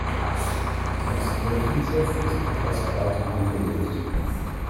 Das Kirchenschiff ist etwas breiter angelegt.